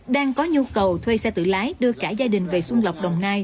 đang có nhu cầu thuê xe tự lái đưa cả gia đình về xuân lọc đồng nai